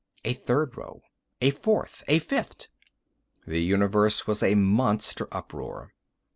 A third row, a fourth, a fifth.... The universe was a monster uproar.